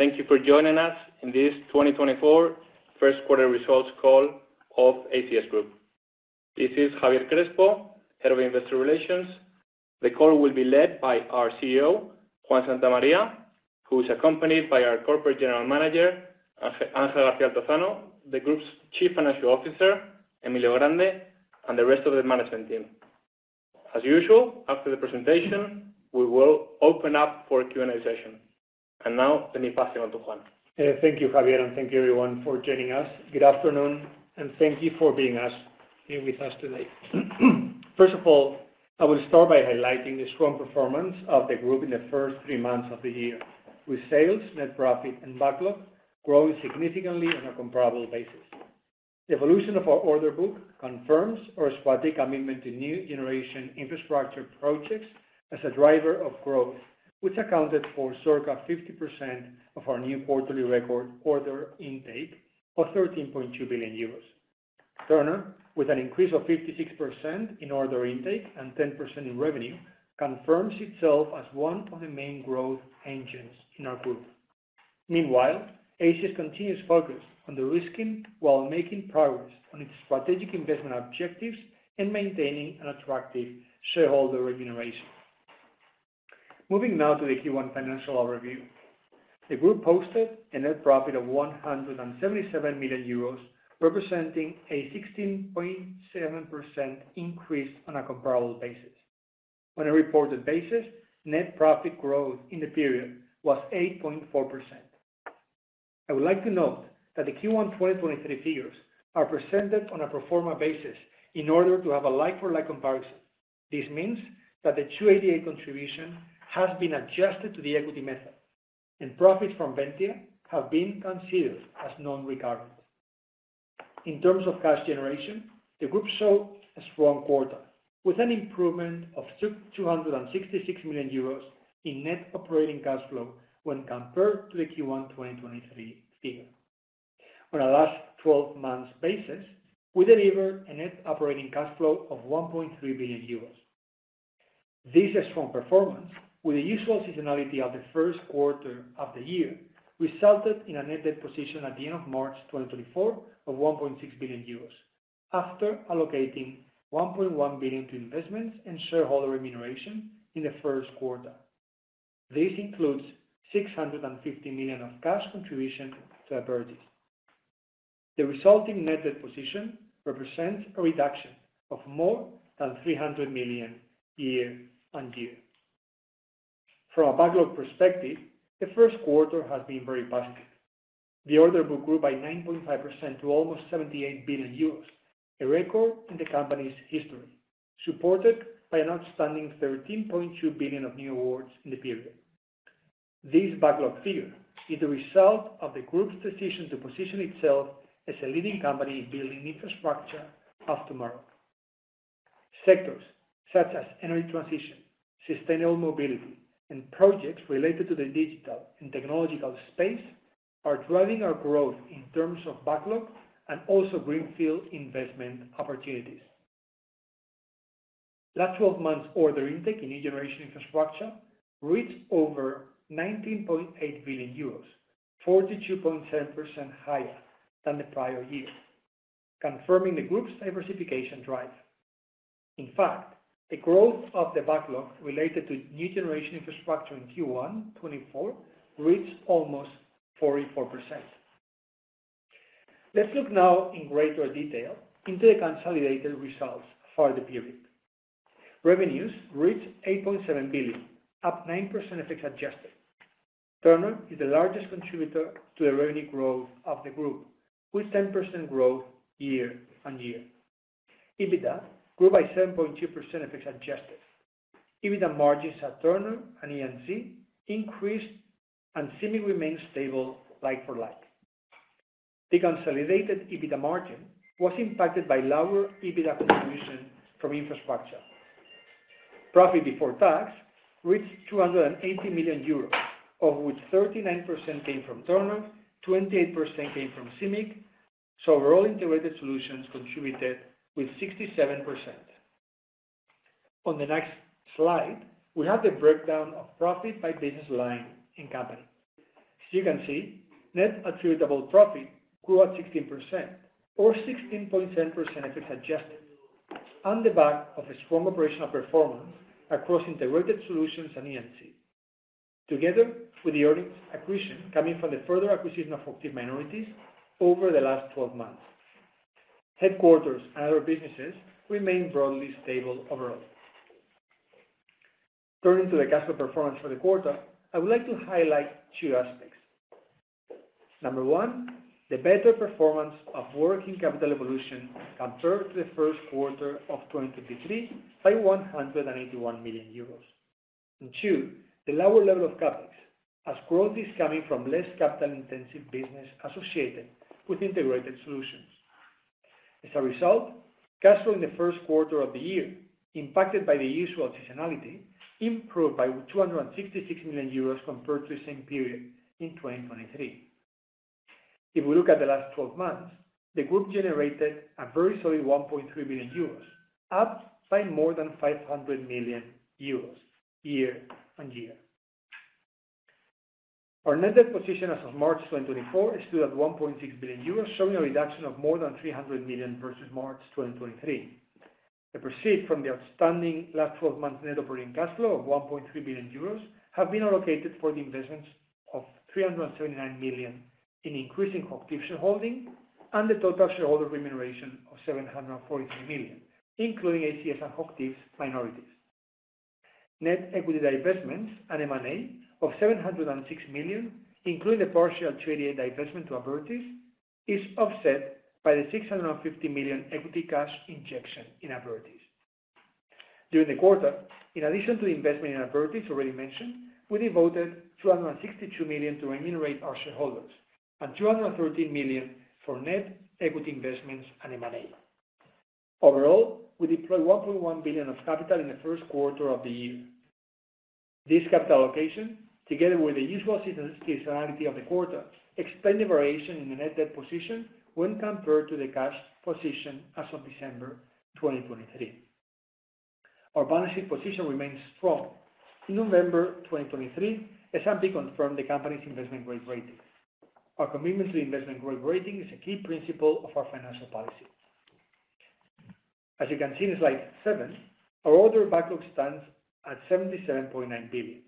Thank you for joining us in this 2024 first quarter results call of ACS Group. This is Javier Crespo, head of investor relations. The call will be led by our CEO, Juan Santamaría, who is accompanied by our Corporate General Manager, Ángel García Altozano, the group's Chief Financial Officer, Emilio Grande, and the rest of the management team. As usual, after the presentation, we will open up for a Q&A session. Now let me pass it on to Juan. Thank you, Javier, and thank you, everyone, for joining us. Good afternoon, and thank you for being here with us today. First of all, I will start by highlighting the strong performance of the group in the first three months of the year, with sales, net profit, and backlog growing significantly on a comparable basis. The evolution of our order book confirms our strategic commitment to new generation infrastructure projects as a driver of growth, which accounted for circa 50% of our new quarterly record order intake of 13.2 billion euros. Turner, with an increase of 56% in order intake and 10% in revenue, confirms itself as one of the main growth engines in our group. Meanwhile, ACS continues focused on the de-risking while making progress on its strategic investment objectives and maintaining an attractive shareholder remuneration. Moving now to the Q1 financial overview. The group posted a net profit of 177 million euros, representing a 16.7% increase on a comparable basis. On a reported basis, net profit growth in the period was 8.4%. I would like to note that the Q1 2023 figures are presented on a performance basis in order to have a like-for-like comparison. This means that the SH-288 contribution has been adjusted to the equity method, and profits from Ventia have been considered as non-recurrent. In terms of cash generation, the group showed a strong quarter, with an improvement of 266 million euros in net operating cash flow when compared to the Q1 2023 figure. On a last 12-month basis, we delivered a net operating cash flow of 1.3 billion euros. This strong performance, with the usual seasonality of the first quarter of the year, resulted in a net debt position at the end of March 2024 of 1.6 billion euros, after allocating 1.1 billion to investments and shareholder remuneration in the first quarter. This includes 650 million of cash contribution to Abertis. The resulting net debt position represents a reduction of more than 300 million year-over-year. From a backlog perspective, the first quarter has been very positive. The order book grew by 9.5% to almost 78 billion euros, a record in the company's history, supported by an outstanding 13.2 billion of new awards in the period. This backlog figure is the result of the group's decision to position itself as a leading company in building infrastructure of tomorrow. Sectors such as energy transition, sustainable mobility, and projects related to the digital and technological space are driving our growth in terms of backlog and also greenfield investment opportunities. Last 12 months' order intake in new generation infrastructure reached over 19.8 billion euros, 42.7% higher than the prior year, confirming the group's diversification drive. In fact, the growth of the backlog related to new generation infrastructure in Q1 2024 reached almost 44%. Let's look now in greater detail into the consolidated results for the period. Revenues reached 8.7 billion, up 9% if it's adjusted. Turner is the largest contributor to the revenue growth of the group, with 10% growth year on year. EBITDA grew by 7.2% if it's adjusted. EBITDA margins at Turner and E&C increased and seemingly remained stable like-for-like. The consolidated EBITDA margin was impacted by lower EBITDA contribution from infrastructure. Profit before tax reached 280 million euros, of which 39% came from Turner, 28% came from CIMIC, so overall integrated solutions contributed with 67%. On the next slide, we have the breakdown of profit by business line in company. As you can see, net attributable profit grew at 16%, or 16.7% if it's adjusted, on the back of strong operational performance across integrated solutions and E&C, together with the earnings accretion coming from the further acquisition of active minorities over the last 12 months. Headquarters and other businesses remain broadly stable overall. Turning to the cash flow performance for the quarter, I would like to highlight two aspects. Number one, the better performance of working capital evolution compared to the first quarter of 2023 by 181 million euros. And two, the lower level of CapEx, as growth is coming from less capital-intensive business associated with integrated solutions. As a result, cash flow in the first quarter of the year, impacted by the usual seasonality, improved by 266 million euros compared to the same period in 2023. If we look at the last 12 months, the group generated a very solid 1.3 billion euros, up by more than 500 million euros year-on-year. Our net debt position as of March 2024 is still at 1.6 billion euros, showing a reduction of more than 300 million versus March 2023. The proceeds from the outstanding last 12 months' net operating cash flow of 1.3 billion euros have been allocated for the investments of 379 million in increasing HOCHTIEF's holding and the total shareholder remuneration of 743 million, including ACS and HOCHTIEF's minorities. Net equity divestments and M&A of 706 million, including the partial SH-288 divestment to Abertis, is offset by the 650 million equity cash injection in Abertis. During the quarter, in addition to the investment in Abertis already mentioned, we devoted 262 million to remunerate our shareholders and 213 million for net equity investments and M&A. Overall, we deployed 1.1 billion of capital in the first quarter of the year. This capital allocation, together with the usual seasonality of the quarter, explained the variation in the net debt position when compared to the cash position as of December 2023. Our balance sheet position remains strong. In November 2023, S&P confirmed the company's investment grade rating. Our commitment to investment grade rating is a key principle of our financial policy. As you can see in slide seven, our order backlog stands at 77.9 billion,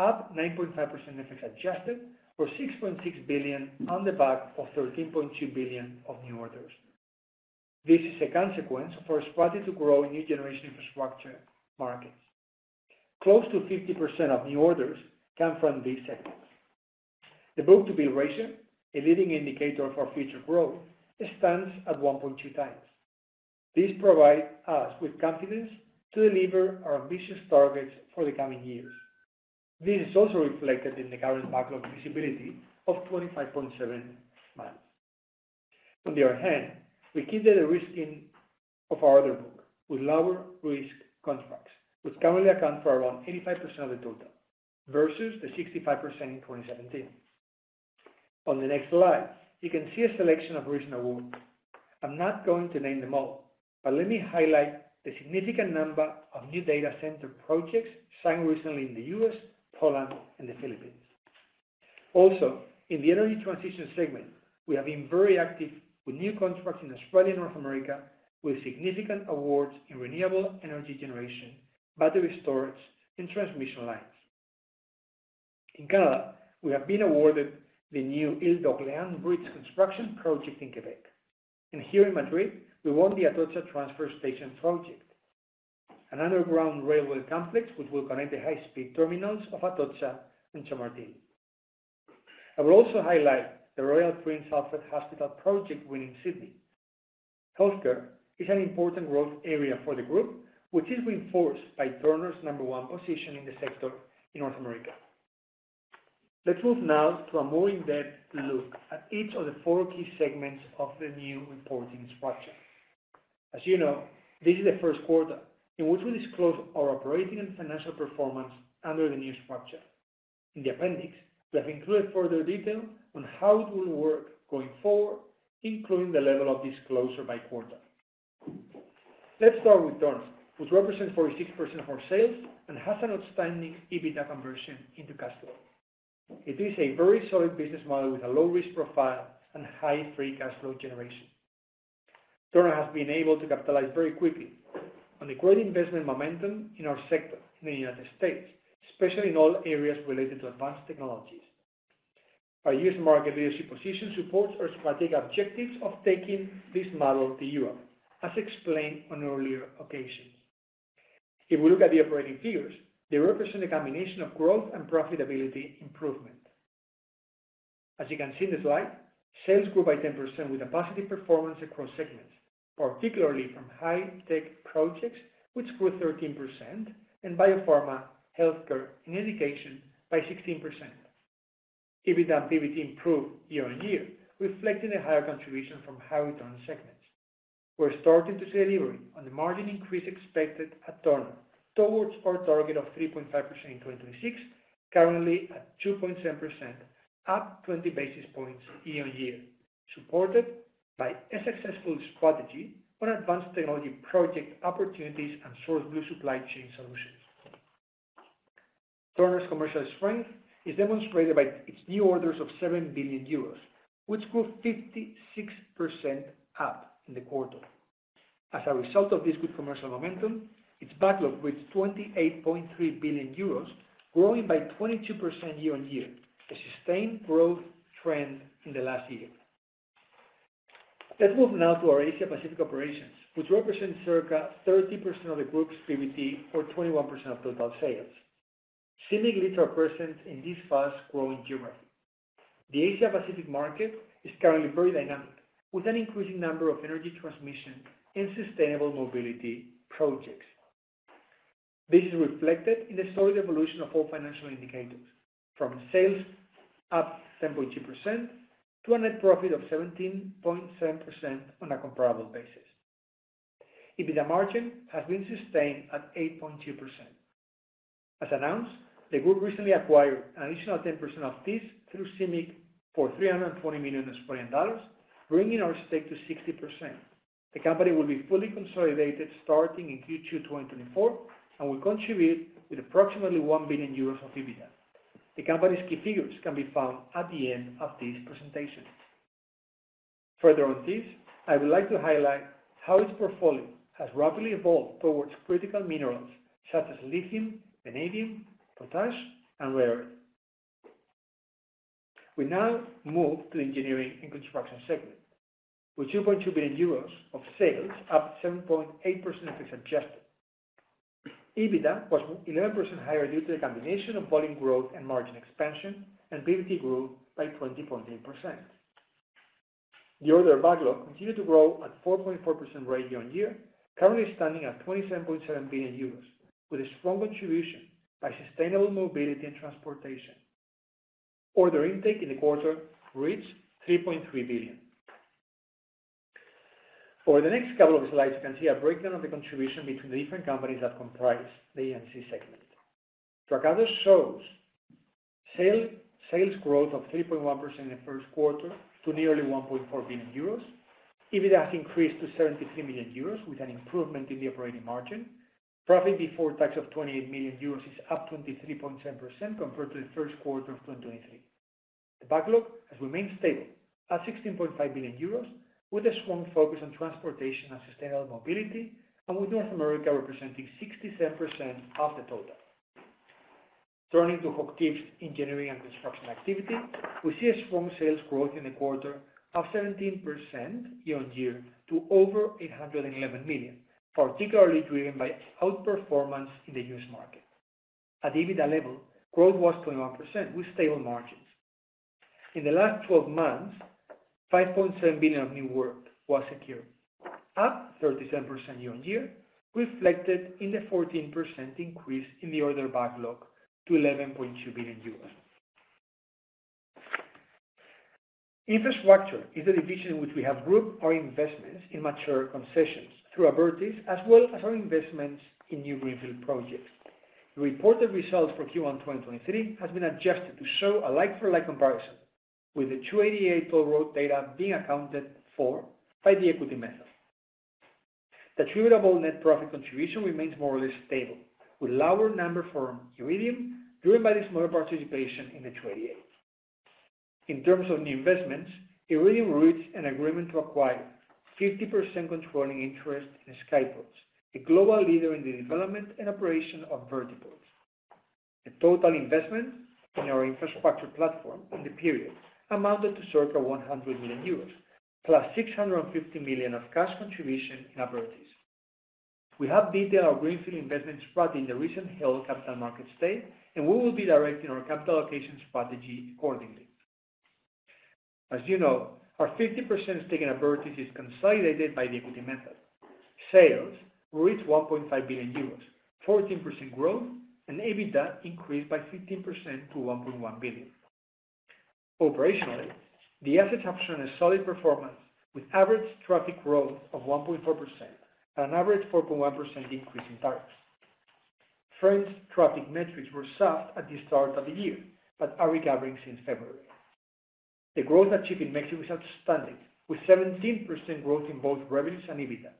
up 9.5% if it's adjusted, or 6.6 billion on the back of 13.2 billion of new orders. This is a consequence of our strategy to grow in new generation infrastructure markets. Close to 50% of new orders come from these sectors. The book-to-bill ratio, a leading indicator of our future growth, stands at 1.2 times. This provides us with confidence to deliver our ambitious targets for the coming years. This is also reflected in the current backlog visibility of 25.7 months. On the other hand, we keep the risk in our order book with lower-risk contracts, which currently account for around 85% of the total versus the 65% in 2017. On the next slide, you can see a selection of recent awards. I'm not going to name them all but let me highlight the significant number of new data center projects signed recently in the U.S., Poland, and the Philippines. Also, in the energy transition segment, we have been very active with new contracts in Australia and North America with significant awards in renewable energy generation, battery storage, and transmission lines. In Canada, we have been awarded the new Île d'Orléans Bridge construction project in Quebec. And here in Madrid, we won the Atocha transfer station project, an underground railway complex which will connect the high-speed terminals of Atocha and Chamartín. I will also highlight the Royal Prince Alfred Hospital project win in Sydney. Healthcare is an important growth area for the group, which is reinforced by Turner's number one position in the sector in North America. Let's move now to a more in-depth look at each of the four key segments of the new reporting structure. As you know, this is the first quarter in which we disclose our operating and financial performance under the new structure. In the appendix, we have included further detail on how it will work going forward, including the level of disclosure by quarter. Let's start with Turner, which represents 46% of our sales and has an outstanding EBITDA conversion into cash flow. It is a very solid business model with a low-risk profile and high free cash flow generation. Turner has been able to capitalize very quickly on the great investment momentum in our sector in the United States, especially in all areas related to advanced technologies. Our U.S. market leadership position supports our strategic objectives of taking this model to Europe, as explained on earlier occasions. If we look at the operating figures, they represent a combination of growth and profitability improvement. As you can see in the slide, sales grew by 10% with a positive performance across segments, particularly from high-tech projects, which grew 13%, and biopharma, healthcare, and education by 16%. EBITDA and PBT improved year-over-year, reflecting a higher contribution from high return segments. We're starting to see delivery on the margin increase expected at Turner towards our target of 3.5% in 2026, currently at 2.7%, up 20 basis points year-over-year, supported by a successful strategy on advanced technology project opportunities and SourceBlue supply chain solutions. Turner's commercial strength is demonstrated by its new orders of 7 billion euros, which grew 56% up in the quarter. As a result of this good commercial momentum, its backlog reached 28.3 billion euros, growing by 22% year-over-year, a sustained growth trend in the last year. Let's move now to our Asia-Pacific operations, which represent circa 30% of the group's PBT or 21% of total sales, seemingly representing this fast-growing geography. The Asia-Pacific market is currently very dynamic, with an increasing number of energy transmission and sustainable mobility projects. This is reflected in the solid evolution of all financial indicators, from sales up 10.2% to a net profit of 17.7% on a comparable basis. EBITDA margin has been sustained at 8.2%. As announced, the group recently acquired an additional 10% of this through CIMIC for 320 million dollars, bringing our stake to 60%. The company will be fully consolidated starting in Q2 2024 and will contribute with approximately 1 billion euros of EBITDA. The company's key figures can be found at the end of this presentation. Further on this, I would like to highlight how its portfolio has rapidly evolved towards critical minerals such as lithium, vanadium, potassium, and rare earths. We now move to the engineering and construction segment, with 2.2 billion euros of sales up 7.8% if it's adjusted. EBITDA was 11% higher due to the combination of volume growth and margin expansion, and PBT grew by 20.8%. The order backlog continued to grow at a 4.4% rate year-on-year, currently standing at 27.7 billion euros, with a strong contribution by sustainable mobility and transportation. Order intake in the quarter reached 3.3 billion. Over the next couple of slides, you can see a breakdown of the contribution between the different companies that comprise the E&C segment. Dragados shows sales growth of 3.1% in the first quarter to nearly 1.4 billion euros. EBITDA has increased to 73 million euros, with an improvement in the operating margin. Profit before tax of 28 million euros is up 23.7% compared to the first quarter of 2023. The backlog has remained stable at 16.5 billion euros, with a strong focus on transportation and sustainable mobility, and with North America representing 67% of the total. Turning to HOCHTIEF's engineering and construction activity, we see a strong sales growth in the quarter of 17% year-over-year to over 811 million, particularly driven by outperformance in the US market. At EBITDA level, growth was 21% with stable margins. In the last 12 months, 5.7 billion of new work was secured, up 37% year-over-year, reflected in the 14% increase in the order backlog to 11.2 billion. Infrastructure is the division in which we have grouped our investments in mature concessions through Abertis, as well as our investments in new greenfield projects. The reported results for Q1 2023 have been adjusted to show a like-for-like comparison, with the SH-288 toll road data being accounted for by the equity method. The attributable net profit contribution remains more or less stable, with lower number from Iridium driven by its smaller participation in the SH-288. In terms of new investments, Iridium reached an agreement to acquire 50% controlling interest in Skyports, a global leader in the development and operation of Vertiports. The total investment in our infrastructure platform in the period amounted to circa 100 million euros, plus 650 million of cash contribution in Abertis. We have detailed our greenfield investment strategy in the recently held Capital Markets Day, and we will be directing our capital allocation strategy accordingly. As you know, our 50% stake in Abertis is consolidated by the equity method. Sales reached 1.5 billion euros, 14% growth, and EBITDA increased by 15% to 1.1 billion. Operationally, the assets have shown a solid performance with average traffic growth of 1.4% and an average 4.1% increase in tariffs. France's traffic metrics were soft at the start of the year but are recovering since February. The growth achieved in Mexico is outstanding, with 17% growth in both revenues and EBITDA.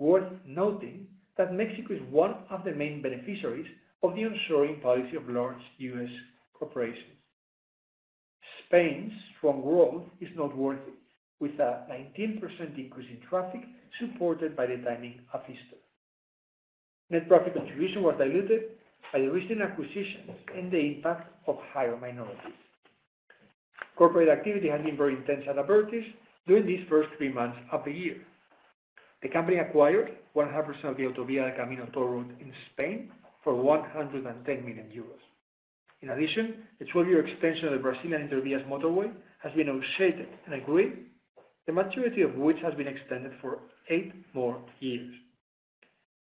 Worth noting that Mexico is one of the main beneficiaries of the nearshoring policy of large U.S. corporations. Spain's strong growth is noteworthy, with a 19% increase in traffic supported by the timing of Easter. Net profit contributions were diluted by the recent acquisitions and the impact of higher minorities. Corporate activity has been very intense at Abertis during these first three months of the year. The company acquired 100% of the Autovía del Camino toll road in Spain for 110 million euros. In addition, the 12-year extension of the Brazilian Intervias motorway has been negotiated and agreed, the maturity of which has been extended for eight more years.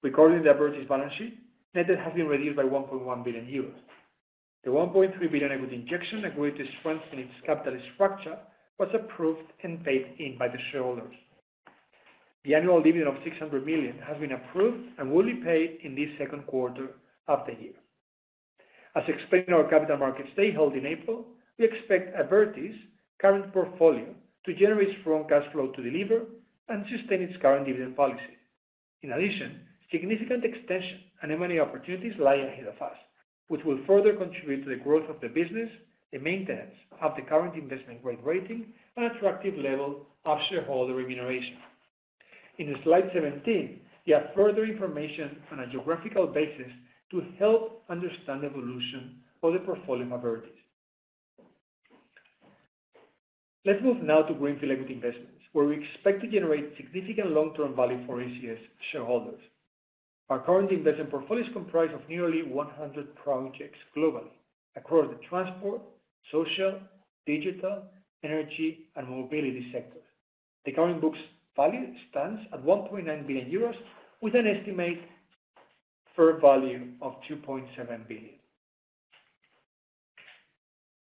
According to the Abertis balance sheet, net debt has been reduced by 1.1 billion euros. The 1.3 billion equity injection agreed to strengthen its capital structure was approved and paid in by the shareholders. The annual dividend of 600 million has been approved and will be paid in this second quarter of the year. As explained in our Capital Markets Day held in April, we expect Abertis' current portfolio to generate strong cash flow to deliver and sustain its current dividend policy. In addition, significant extension and M&A opportunities lie ahead of us, which will further contribute to the growth of the business, the maintenance of the current investment grade rating, and attractive level of shareholder remuneration. In slide 17, you have further information on a geographical basis to help understand the evolution of the portfolio of Abertis. Let's move now to greenfield equity investments, where we expect to generate significant long-term value for ACS shareholders. Our current investment portfolio is comprised of nearly 100 projects globally across the transport, social, digital, energy, and mobility sectors. The current book value stands at 1.9 billion euros, with an estimated fair value of 2.7 billion.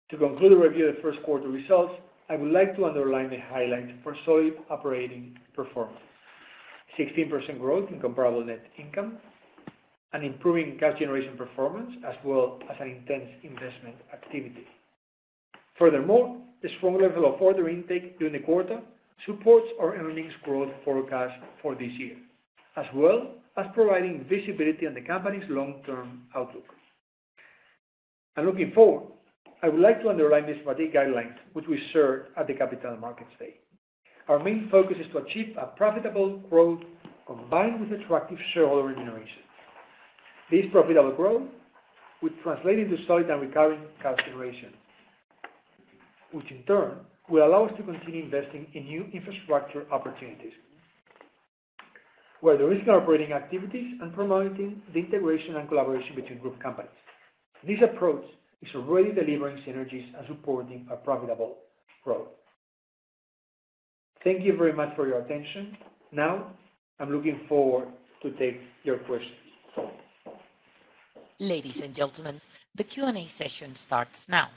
To conclude the review of the first quarter results, I would like to underline the highlights for solid operating performance: 16% growth in comparable net income, an improving cash generation performance, as well as an intense investment activity. Furthermore, the strong level of order intake during the quarter supports our earnings growth forecast for this year, as well as providing visibility on the company's long-term outlook. Looking forward, I would like to underline the strategic guidelines which we shared at the Capital Markets Day. Our main focus is to achieve a profitable growth combined with attractive shareholder remuneration. This profitable growth would translate into solid and recurring cash generation, which in turn will allow us to continue investing in new infrastructure opportunities, where there is more operating activities and promoting the integration and collaboration between group companies. This approach is already delivering synergies and supporting a profitable growth. Thank you very much for your attention. Now, I'm looking forward to taking your questions. Ladies and gentlemen, the Q&A session starts now.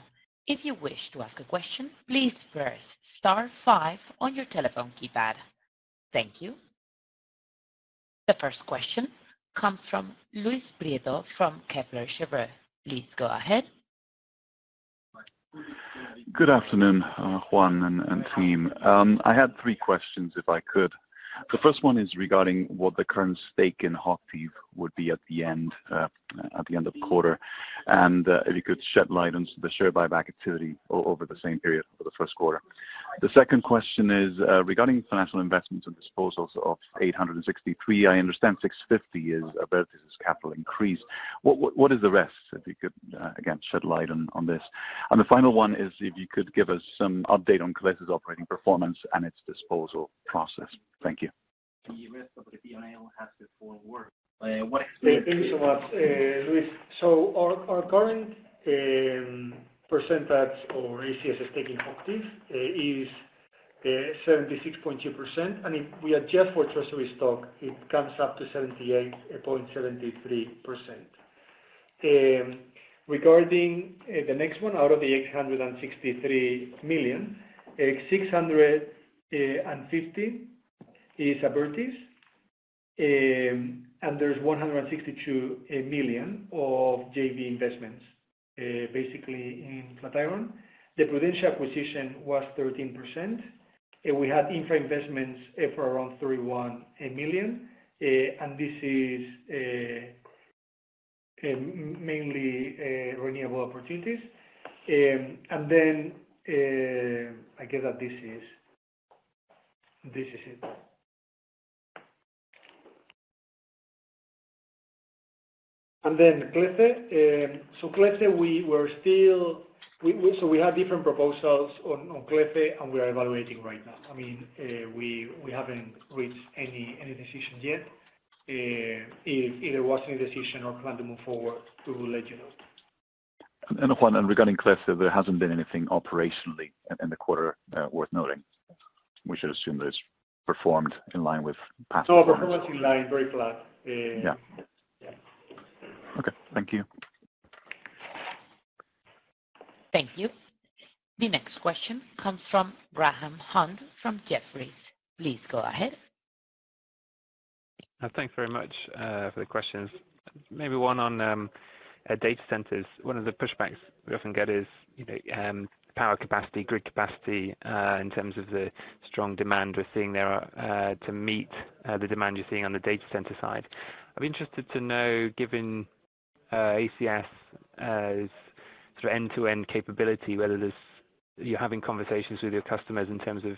If you wish to ask a question, please press star five on your telephone keypad. Thank you. The first question comes from Luis Prieto from Kepler Cheuvreux. Please go ahead. Good afternoon, Juan and team. I had three questions, if I could. The first one is regarding what the current stake in Hochtief would be at the end of quarter and if you could shed light on the share buyback activity over the same period for the first quarter. The second question is regarding financial investments and disposals of 863. I understand 650 is Abertis' capital increase. What is the rest, if you could, again, shed light on this? And the final one is if you could give us some update on Clece's operating performance and its disposal process. Thank you. The rest of the P&L has the full work. What explains that? Thank you so much, Luis. Our current percentage of ACS stake in HOCHTIEF is 76.2%, and if we adjust for treasury stock, it comes up to 78.73%. Regarding the next one, out of the 863 million, 650 million is Abertis, and there's 162 million of JV investments, basically in Flatiron. The prudential acquisition was 13%, and we had infra investments for around 31 million, and this is mainly renewable opportunities. And then I guess that this is it. And then Clece, so Clece, we were still so we had different proposals on Clece, and we are evaluating right now. I mean, we haven't reached any decision yet. If there was any decision or plan to move forward, we will let you know. And Juan, and regarding Clece, there hasn't been anything operationally in the quarter worth noting, which I assume there's performed in line with past performance. No, performance in line, very flat. Yeah. Okay. Thank you. Thank you. The next question comes from Graham Hunt from Jefferies. Please go ahead. Thanks very much for the questions. Maybe one on data centers. One of the pushbacks we often get is power capacity, grid capacity, in terms of the strong demand we're seeing there to meet the demand you're seeing on the data center side. I'd be interested to know, given ACS's sort of end-to-end capability, whether you're having conversations with your customers in terms of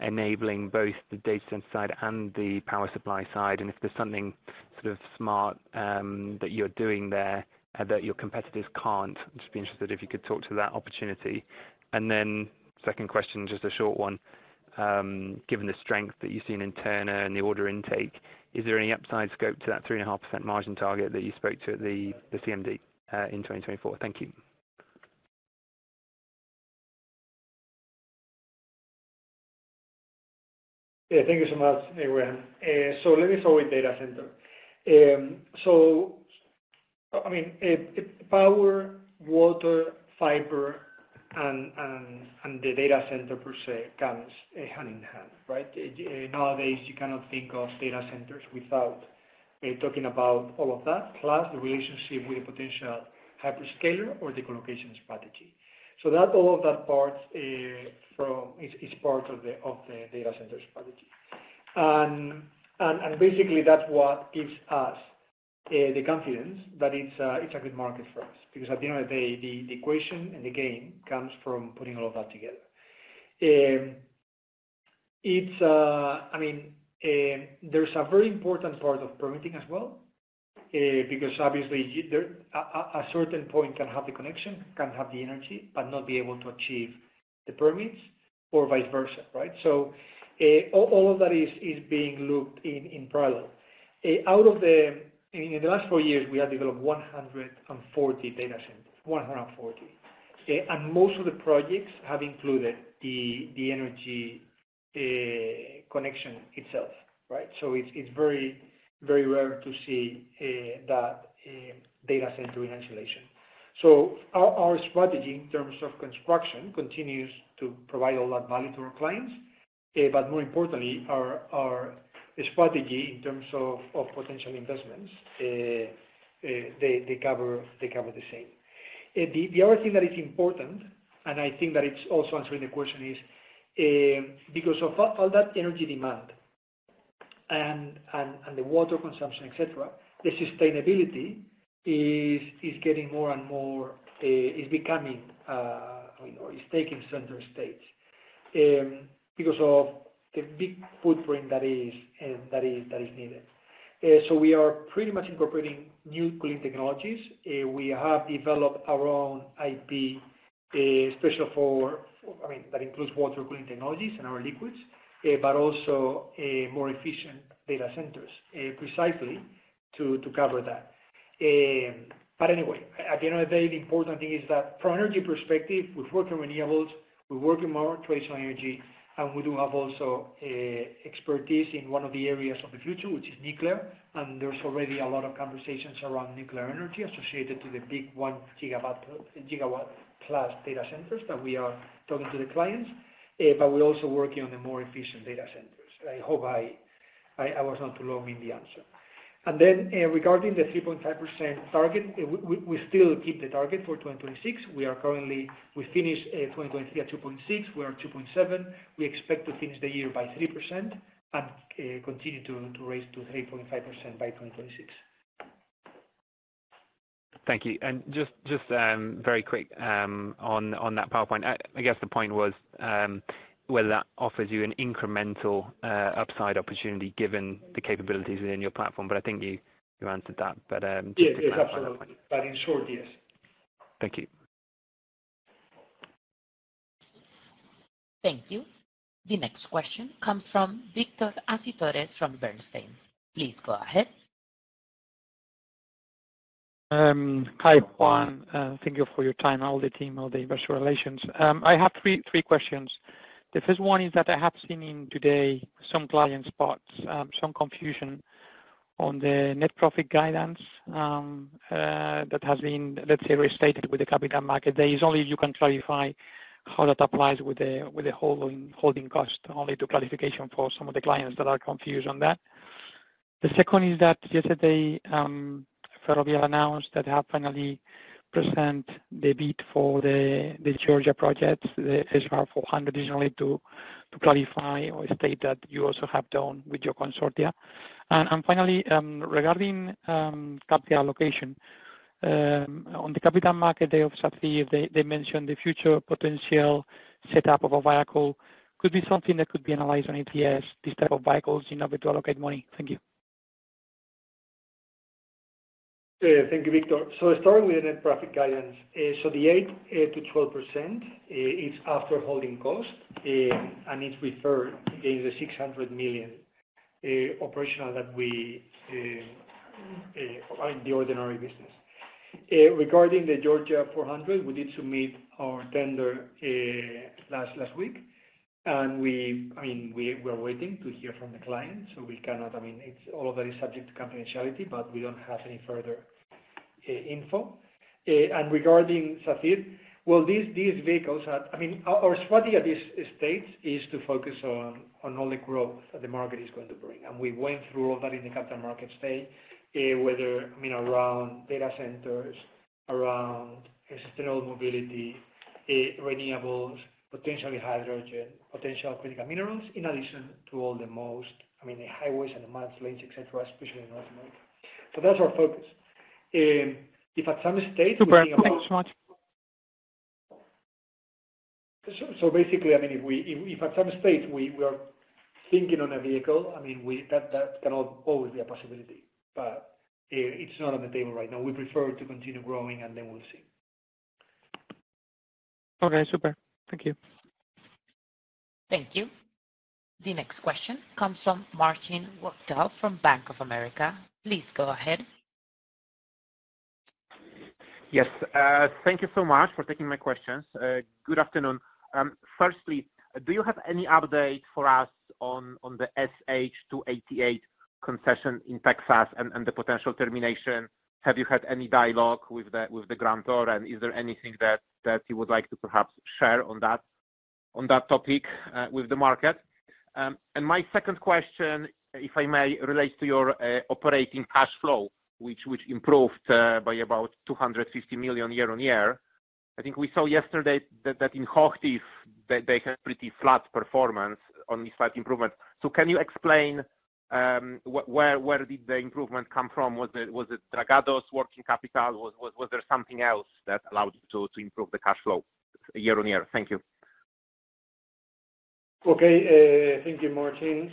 enabling both the data center side and the power supply side, and if there's something sort of smart that you're doing there that your competitors can't. I'd just be interested if you could talk to that opportunity. And then second question, just a short one. Given the strength that you've seen in Turner and the order intake, is there any upside scope to that 3.5% margin target that you spoke to at the CMD in 2024? Thank you. Yeah. Thank you so much, Graham. So let me start with data center. So I mean, power, water, fiber, and the data center per se comes hand in hand, right? Nowadays, you cannot think of data centers without talking about all of that, plus the relationship with a potential hyperscaler or the collocation strategy. So all of that part is part of the data center strategy. And basically, that's what gives us the confidence that it's a good market for us because, at the end of the day, the equation and the game comes from putting all of that together. I mean, there's a very important part of permitting as well because, obviously, a certain point can have the connection, can have the energy, but not be able to achieve the permits or vice versa, right? So all of that is being looked at in parallel. I mean, in the last four years, we have developed 140 data centers, 140, and most of the projects have included the energy connection itself, right? So it's very rare to see that data center in isolation. So our strategy, in terms of construction, continues to provide all that value to our clients, but more importantly, our strategy, in terms of potential investments, they cover the same. The other thing that is important, and I think that it's also answering the question, is because of all that energy demand and the water consumption, etc., the sustainability is getting more and more it's becoming or is taking center stage because of the big footprint that is needed. So we are pretty much incorporating new cooling technologies. We have developed our own IP special for—I mean—that includes water cooling technologies and our liquids, but also more efficient data centers, precisely to cover that. But anyway, at the end of the day, the important thing is that, from an energy perspective, we're working renewables. We're working more traditional energy, and we do have also expertise in one of the areas of the future, which is nuclear. And there's already a lot of conversations around nuclear energy associated to the big 1 gigawatt-plus data centers that we are talking to the clients, but we're also working on the more efficient data centers. I hope I was not too long in the answer. And then regarding the 3.5% target, we still keep the target for 2026. We finished 2023 at 2.6%. We are at 2.7%. We expect to finish the year by 3% and continue to raise to 3.5% by 2026. Thank you. And just very quick on that PowerPoint, I guess the point was whether that offers you an incremental upside opportunity given the capAbertis within your platform, but I think you answered that. But just to clarify that point. Yeah. Yes. Absolutely. But in short, yes. Thank you. Thank you. The next question comes from Victor Acitores from Bernstein. Please go ahead. Hi, Juan. Thank you for your time, all the team, all the investor relations. I have three questions. The first one is that I have seen today some client spots, some confusion on the net profit guidance that has been, let's say, restated with the Capital Markets Day. Only you can clarify how that applies with the holding cost, only to clarification for some of the clients that are confused on that. The second is that yesterday, Ferrovial announced that they have finally presented the bid for the Georgia projects, the SR 400, originally to clarify or state that you also have done with your consortia. And finally, regarding capital allocation, on the Capital Markets Day of Sacyr, they mentioned the future potential setup of a vehicle. Could be something that could be analyzed on ACS, this type of vehicles, in order to allocate money. Thank you. Yeah. Thank you, Victor. So starting with the net profit guidance, so the 8%-12%, it's after holding cost, and it's referred against the 600 million operational that we are in the ordinary business. Regarding the Georgia 400, we did submit our tender last week, and I mean, we are waiting to hear from the client, so we cannot I mean, all of that is subject to confidentiality, but we don't have any further info. And regarding Sacyr, well, these vehicles had I mean, our strategy at this stage is to focus on all the growth that the market is going to bring. And we went through all that in the capital markets day, whether I mean, around data centers, around sustainable mobility, renewables, potentially hydrogen, potential critical minerals, in addition to all the most I mean, the highways and the managed lanes, etc., especially in North America. So that's our focus. If at some stage we're thinking about. Super. Thanks so much. So basically, I mean, if at some stage we are thinking on a vehicle, I mean, that can always be a possibility, but it's not on the table right now. We prefer to continue growing, and then we'll see. Okay. Super. Thank you. Thank you. The next question comes from Marcin Wojtal from Bank of America. Please go ahead. Yes. Thank you so much for taking my questions. Good afternoon. Firstly, do you have any update for us on the SH 288 concession in Texas and the potential termination? Have you had any dialogue with the grantor, and is there anything that you would like to perhaps share on that topic with the market? And my second question, if I may, relates to your operating cash flow, which improved by about 250 million year-over-year. I think we saw yesterday that in Hochtief, they had pretty flat performance, only slight improvement. So can you explain where did the improvement come from? Was it Dragados working capital? Was there something else that allowed you to improve the cash flow year-over-year? Thank you. Okay. Thank you, Marcin.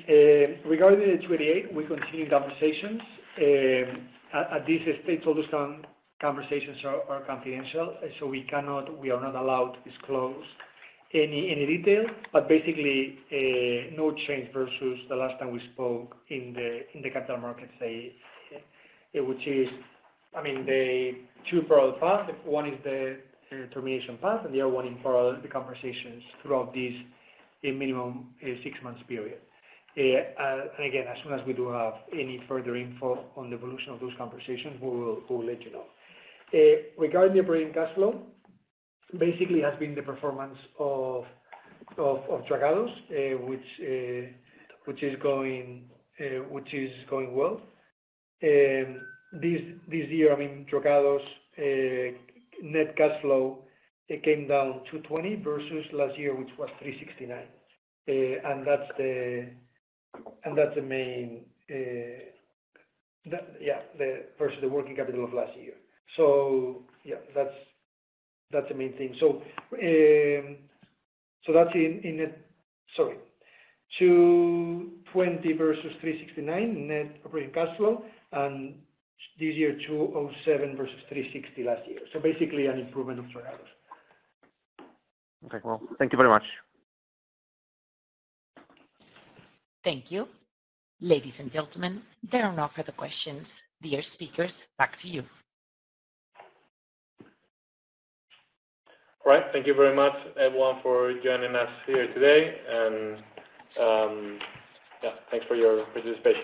Regarding the 288, we continue conversations. At this stage, all those conversations are confidential, so we are not allowed to disclose any detail. But basically, no change versus the last time we spoke in the capital market stage, which is I mean, the two parallel paths. One is the termination path, and the other one involved the conversations throughout this minimum six-month period. And again, as soon as we do have any further info on the evolution of those conversations, we will let you know. Regarding the operating cash flow, basically, it has been the performance of Dragados, which is going well. This year, I mean, Dragados' net cash flow came down to 20 million versus last year, which was 369 million. And that's the main yeah, versus the working capital of last year. So yeah, that's the main thing. So that's in net sorry. 220 versus 369 net operating cash flow, and this year, 207 versus 360 last year. So basically, an improvement of Dragados. Okay. Well, thank you very much. Thank you. Ladies and gentlemen, there are no further questions. Dear speakers, back to you. All right. Thank you very much, everyone, for joining us here today. And yeah, thanks for your participation.